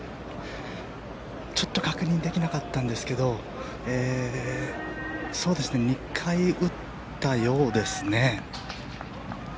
ちょっと確認できなかったんですけど２回打ったようですね。